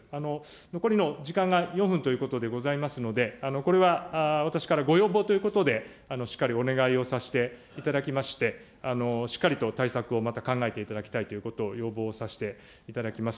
残りの時間が４分ということでございますので、これは私からご要望ということで、しっかりお願いをさせていただきまして、しっかりと対策をまた考えていただきたいということを要望させていただきます。